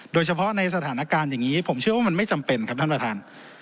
โดยเฉพาะในสถานการณ์อย่างนี้ผมเชื่อว่ามันไม่จำเป็นครับท่านประธาน